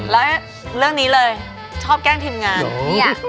แล้วเรื่องนี้เลยชอบแกล้งทีมงาน